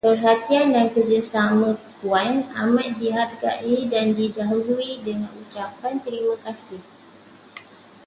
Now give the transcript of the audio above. Perhatian dan kerjasama Puan amat dihargai dan didahului dengan ucapan terima kasih.